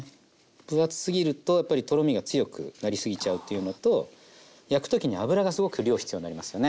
分厚すぎるとやっぱりとろみが強くなりすぎちゃうっていうのと焼く時に油がすごく量必要になりますよね。